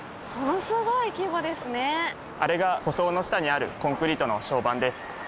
あれが舗装の下にあるコンクリートの床版です。